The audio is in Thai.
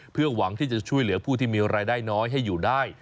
เพื่อหวังที่จะช่วยเหลือผู้ที่มีรายได้น้อยให้อยู่ได้